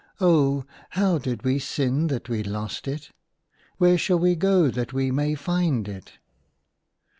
Oh ! how did we sin that we lost it ? Where shall we go that we may find it